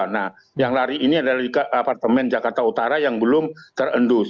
nah yang lari ini adalah apartemen jakarta utara yang belum terendus